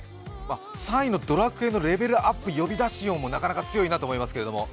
３位のドラクエのレベルアップ呼び出し音もなかなか強いなと思いますけれども、